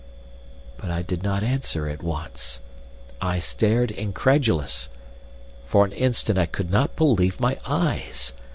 But I did not answer at once. I stared incredulous. For an instant I could not believe my eyes.